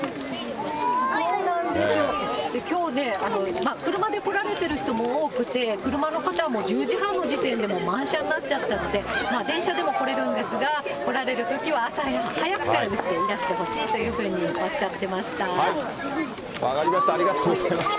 きょうね、車で来られている人も多くて、車の方も１０時半の時点で満車になっちゃったって、電車でも来れるんですが、来られるときは朝早くからいらしてほしいというふうにおっしゃっ